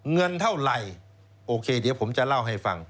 เงินเท่าไหร่โอเคเดี๋ยวผมจะเล่าให้ฟัง